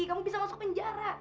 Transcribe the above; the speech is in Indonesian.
kamu bisa masuk penjara